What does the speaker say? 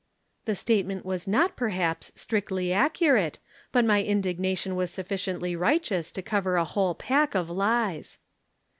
"The statement was not, perhaps, strictly accurate, but my indignation was sufficiently righteous to cover a whole pack of lies.